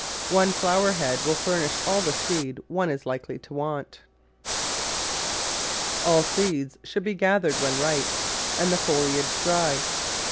One flower head will furnish all the seed one is likely to want. All seeds should be gathered when ripe and the foliage dry.